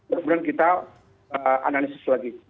kemudian kita analisis lagi